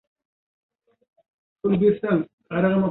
Faqat sip-sinalgan tep-tekis yo‘llar u.